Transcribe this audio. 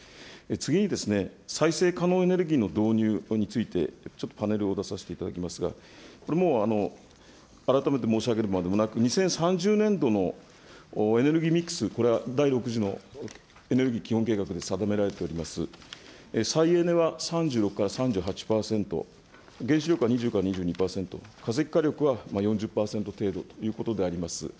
次にですね、再生可能エネルギーの導入について、ちょっとパネルを出させていただきますが、もう改めて申し上げるまでもなく、２０３０年度のエネルギーミックス、これは第６次のエネルギー基本計画に定められております、再エネは３６から３８％、原子力は２０から２２％、化石火力は４０％程度ということであります。